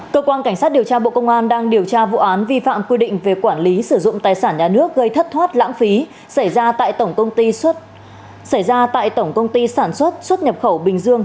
cơ quan cảnh sát điều tra bộ công an đang điều tra vụ án vi phạm quy định về quản lý sử dụng tài sản nhà nước gây thất thoát lãng phí xảy ra tại tổng công ty sản xuất xuất nhập khẩu bình dương